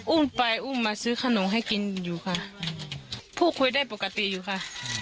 อุ้มไปอุ้มมาซื้อขนมให้กินอยู่ค่ะพูดคุยได้ปกติอยู่ค่ะ